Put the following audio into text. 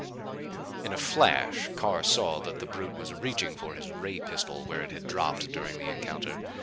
In a flash Carr saw that the brute was reaching for his ray pistol where it had dropped during the encounter.